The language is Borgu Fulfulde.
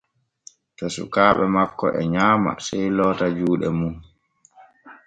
To sukaaɓe makko e nyaama sey loota juuɗe mum.